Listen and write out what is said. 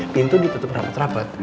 pintu ditutup rapet rapet